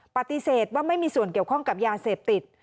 ปฏิเสธว่าไม่มีส่วนเกี่ยวข้องกับยาเสพติด